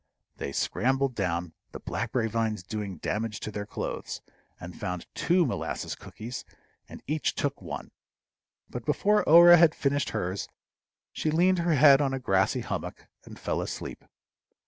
They scrambled down, the blackberry vines doing damage to their clothes, and found two molasses cookies, and each took one. But before Orah had finished hers she leaned her head on a grassy hummock, and fell asleep.